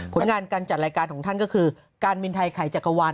ผลงานการจัดรายการของท่านก็คือการบินไทยไข่จักรวาล